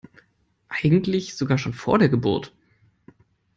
Eigentlich sogar schon vor der Geburt.